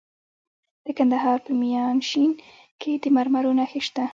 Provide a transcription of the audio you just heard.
د کندهار په میانشین کې د مرمرو نښې شته.